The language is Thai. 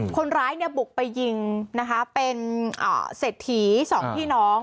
คนร้ายเนี่ยบุกไปยิงนะคะเป็นเศรษฐีสองพี่น้อง